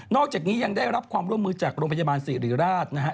อกจากนี้ยังได้รับความร่วมมือจากโรงพยาบาลสิริราชนะฮะ